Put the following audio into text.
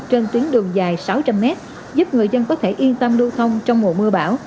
trên tuyến đường dài sáu trăm linh mét giúp người dân có thể yên tâm lưu thông trong mùa mưa bão